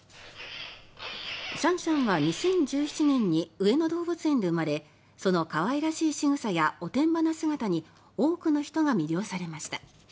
シャンシャンは２０１７年に上野動物園で生まれその可愛らしいしぐさやおてんばな姿に多くの人が魅了されました。